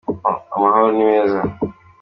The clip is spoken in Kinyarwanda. amahoro nimeza.